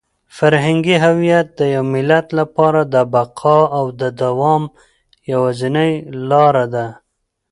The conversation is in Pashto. فرهنګي هویت د یو ملت لپاره د بقا او د دوام یوازینۍ لاره ده.